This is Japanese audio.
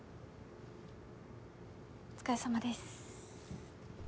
お疲れさまです。